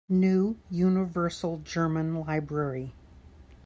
New Universal German Library.